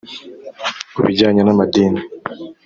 Ku bijyanye n’amadini